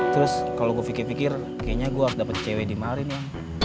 terus kalau gua pikir pikir kayaknya gua dapet cewek di marin ya